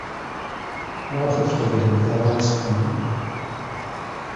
Maɣef ur teqbilemt ara asefk-nni?